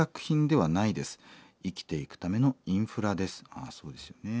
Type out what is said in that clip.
ああそうですよね。